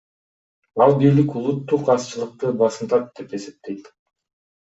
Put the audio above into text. Ал бийлик улуттук азчылыкты басынтат деп эсептейт.